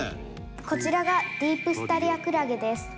「こちらがディープスタリアクラゲです」